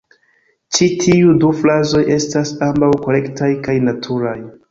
Ĉi tiuj du frazoj estas ambaŭ korektaj kaj naturaj.